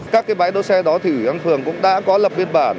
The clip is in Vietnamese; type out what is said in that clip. các bãi đỗ xe đó thì thường cũng đã có lập biên bản